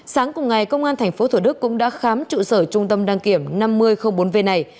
sáng cùng ngày công an tp thủ đức cũng đã khám trụ sở trung tâm đăng kiểm năm mươi bốn v này